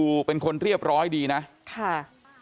เพื่อนของไอซ์นะครับเกี่ยวด้วย